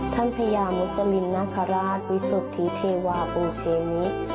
ท่านพญามุจจริงนาคาราชวิสุทธิเทวาบุญเชมิ